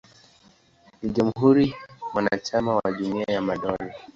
Ni jamhuri mwanachama wa Jumuiya ya Madola.